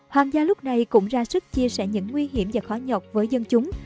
hoàng gia lúc này cũng ra sức chia sẻ những nguy hiểm và khó nhọc với dân chúng